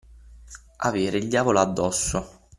Avere il diavolo addosso.